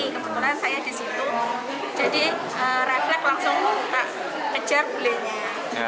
kebetulan saya disitu jadi refleks langsung kejar kulenya